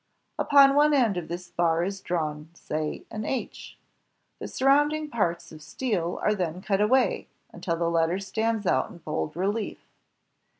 Upon one end of this bar is drawn, say, an H. The surrounding parts of steel are then cut away until the letter stands out in bold relief.